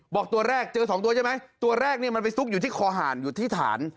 ตัวแรกเจอสองตัวใช่ไหมตัวแรกเนี่ยมันไปซุกอยู่ที่คอหารอยู่ที่ฐาน